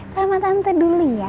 sama tante dulu ya